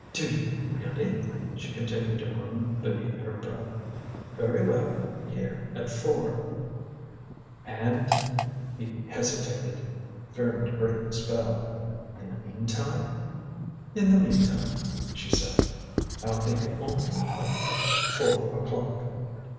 "Do you really?" She continued to hum beneath her breath. "Very well here at four." "And " he hesitated, fearing to break the spell. "In the meantime " "In the meantime," she said, "I'll think only of four o'clock."